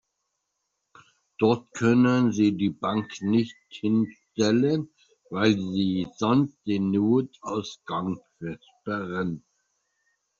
Dort können Sie die Bank nicht hinstellen, weil Sie sonst den Notausgang versperren.